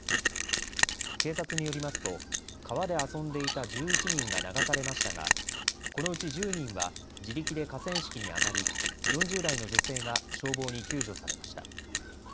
警察によりますと川で遊んでいた１１人が流されましたがこのうち１０人は自力で河川敷に上がり、４０代の女性が消防に救助されました。